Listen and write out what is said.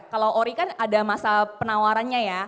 kalau ori kan ada masa penawarannya ya